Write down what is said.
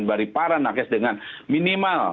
dari para nakes dengan minimal